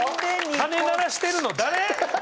鐘鳴らしてるの誰？